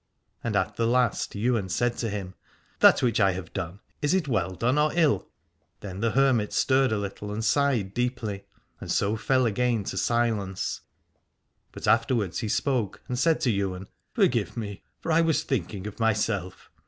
And at the last Ywain said to him : That which I have done, is it well done or ill ? Then the hermit stirred a little, and sighed deeply, and so fell again to silence. But after wards he spoke and said to Ywain : Forgive me, for I was thinking of myself.